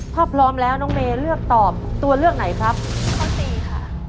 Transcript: ถ้าพร้อมแล้วน้องเมย์เลือกตอบตัวเลือกไหนครับข้อสี่ค่ะ